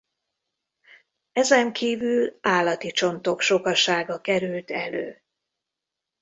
Ezenkívül állati csontok sokasága került elő.